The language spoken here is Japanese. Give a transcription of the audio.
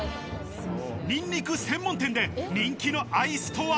ニンニク専門店で人気のアイスとは？